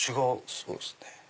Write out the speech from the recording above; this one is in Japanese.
そうですね。